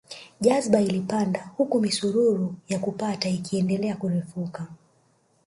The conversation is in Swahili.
Jazba ilipanda huku misururu ya kupata ikiendelea kurefuka